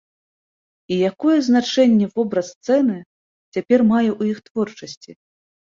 І якое значэнне вобраз сцены цяпер мае ў іх творчасці?